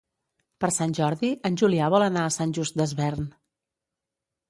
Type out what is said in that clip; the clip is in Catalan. Per Sant Jordi en Julià vol anar a Sant Just Desvern.